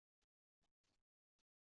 萨尔屈。